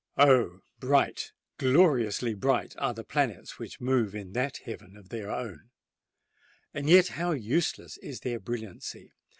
Oh! bright—gloriously bright are the planets which move in that heaven of their own:—and yet how useless is their brilliancy!